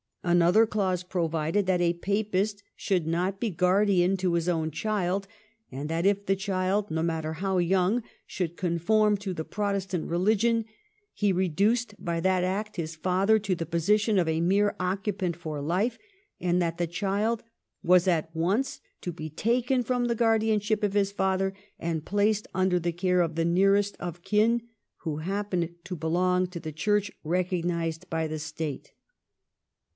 Another clause provided that a Papist should not be guardian to his own child, and that if the child, no matter how young, should conform to the Protestant religion he reduced by that act his father to the position of a mere occupant for life, and that the child was at once to be taken from the guardianship of his father and placed under the care of the nearest of kin who happened to belong to the Church recog nised by the State.